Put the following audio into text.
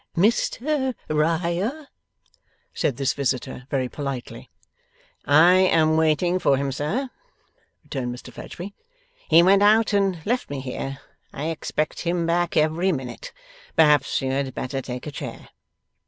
'Mr Riah?' said this visitor, very politely. 'I am waiting for him, sir,' returned Mr Fledgeby. 'He went out and left me here. I expect him back every minute. Perhaps you had better take a chair.